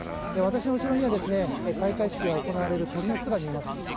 私の後ろには開会式が行われる鳥の巣が見えます。